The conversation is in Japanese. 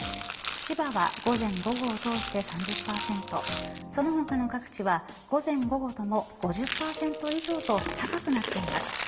千葉は午前、午後をとおして３０％その他の各地は午前午後とも５０％以上と高くなっています。